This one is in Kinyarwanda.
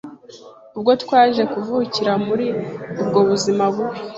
ubwo twaje kuvukira muri ubwo buzima bubi